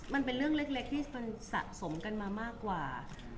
มันเป็นเรื่องเล็กที่มันสะสมกันมามากกว่า